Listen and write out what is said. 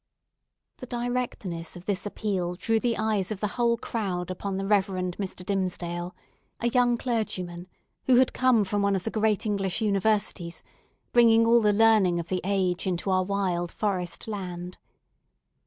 The directness of this appeal drew the eyes of the whole crowd upon the Reverend Mr. Dimmesdale—young clergyman, who had come from one of the great English universities, bringing all the learning of the age into our wild forest land.